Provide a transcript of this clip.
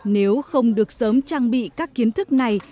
nếu không được sớm trang bị các kiến thức này